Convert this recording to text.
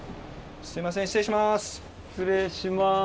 すいません失礼します。